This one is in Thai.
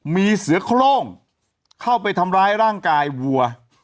มีเสือโครงเข้าไปทำร้ายร่างกายวัว